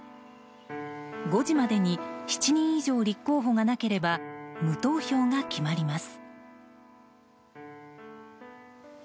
５時までに７人以上立候補がなければ無投票が決まります。